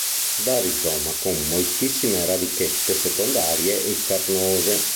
Da rizoma con moltissime radichette secondarie e carnose.